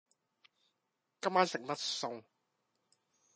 今晚食乜餸